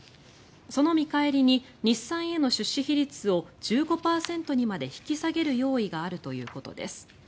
その見返りに日産への出資比率を１５％まで引き下げる用意があるということです。